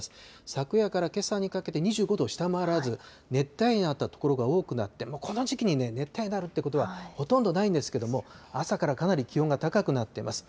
昨夜からけさにかけて２５度を下回らず、熱帯夜になった所が多くなって、この時期にね、熱帯夜になるということはほとんどないんですけども、朝からかなり気温が高くなっています。